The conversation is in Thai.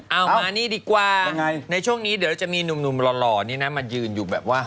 เอามานี่ดีกว่ายังไงในช่วงนี้เดี๋ยวจะมีหนุ่มหล่อนี่นะมายืนอยู่แบบว่า